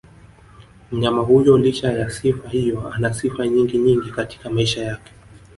Mnyama huyo licha ya sifa hiyo anasifa nyingi nyingi katika maisha yake